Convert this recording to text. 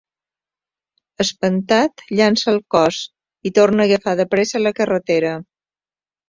Espantat, llança el cos i torna a agafar de pressa la carretera.